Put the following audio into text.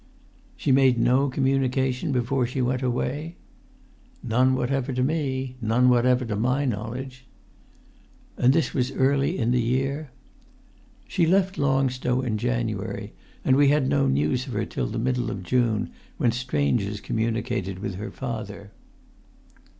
"She made no communication before she went away?" "None whatever to me—none whatever, to my knowledge." "And this was early in the year?" "She left Long Stow in January, and we had no news of her till the middle of June, when strangers communicated with her father."